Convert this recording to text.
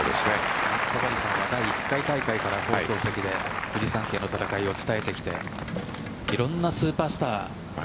戸張さんは第１回大会から放送席でフジサンケイの戦いを伝えてきていろんなスーパースターに。